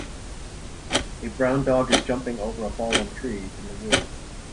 A Brown dog is jumping over a fallen tree in the woods.